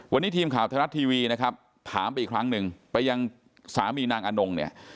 วันนี้ทีมข่าวไทยรัฐทีวีนะครับถามไปอีกครั้งหนึ่งไปยังสามีนางอนงเนี่ย